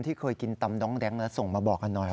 เคยกินตำด้องแดงแล้วส่งมาบอกกันหน่อย